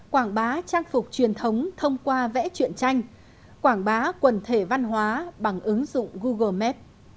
quảng bá trang phục truyền thống thông qua vẽ chuyện tranh quảng bá quần thể văn hóa bằng ứng dụng google maps